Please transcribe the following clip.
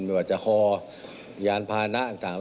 ไม่ว่าจะคอยานพานะต่าง